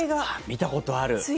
見たことある。